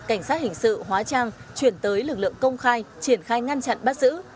cảnh sát hình sự hóa trang chuyển tới lực lượng công khai triển khai ngăn chặn bắt giữ